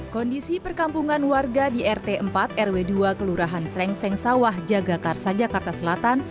kondisi perkampungan warga di rt empat rw dua kelurahan srengseng sawah jagakarsa jakarta selatan